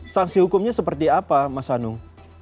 sanksi hukumnya seperti apa mas anung